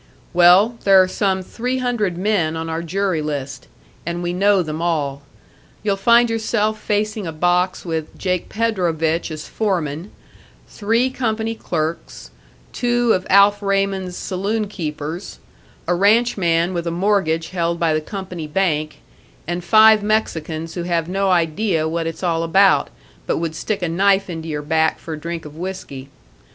"Well, there are some three hundred men on our jury list, and we know them all. You'll find yourself facing a box with Jake Predovich as foreman, three company clerks, two of Alf Raymond's saloon keepers, a ranchman with a mortgage held by the company bank, and five Mexicans who have no idea what it's all about, but would stick a knife into your back for a drink of whiskey.